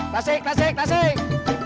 lasik lasik lasik